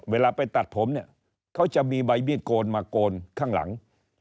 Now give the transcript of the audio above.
เวลาไปตัดผมเนี่ยเขาจะมีใบมีดโกนมาโกนข้างหลัง